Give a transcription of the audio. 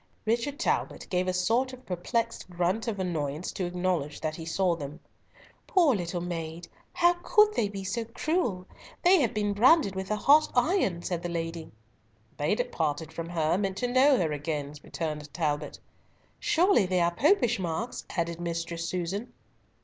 Richard Talbot gave a sort of perplexed grunt of annoyance to acknowledge that he saw them. "Poor little maid! how could they be so cruel? They have been branded with a hot iron," said the lady. "They that parted from her meant to know her again," returned Talbot. "Surely they are Popish marks," added Mistress Susan.